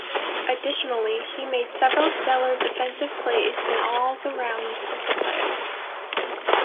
Additionally, he made several stellar defensive plays in all rounds of the playoffs.